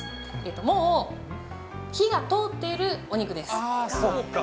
もう火が通っているお肉です。